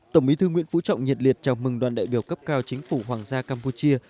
tổng bí thư nguyễn phú trọng nhiệt liệt chào mừng đoàn đại biểu cấp cao chính phủ hoàng gia campuchia